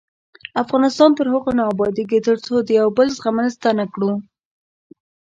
افغانستان تر هغو نه ابادیږي، ترڅو د یو بل زغمل زده نکړو.